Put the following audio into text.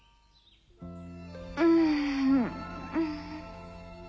うん。